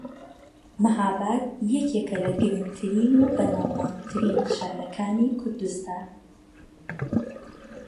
مەھاباد یەکێکە لە گرنگترین و بەناوبانگترین شارەکانی کوردستان